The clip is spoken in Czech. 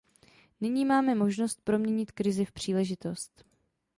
Nyní máme možnost proměnit krizi v příležitost.